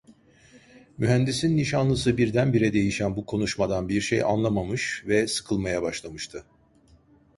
Mühendisin nişanlısı birdenbire değişen bu konuşmadan bir şey anlamamış ve sıkılmaya başlamıştı.